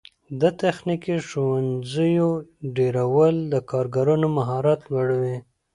د تخنیکي ښوونځیو ډیرول د کارګرانو مهارت لوړوي.